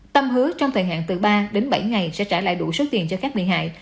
tâm hứa trong thời hạn từ ba đến bảy ngày sẽ trả lại đủ số tiền cho các bị hại